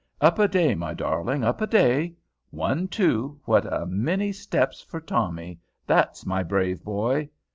"Up a day, my darling, up a day. One, two, what a many steps for Tommy! That's my brave boy."